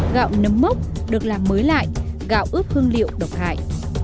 gạo nấm mốc được làm mới lại gạo ướp hương liệu độc hại